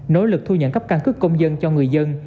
nỗ lực thu nhận cấp căn cước công dân cho người dân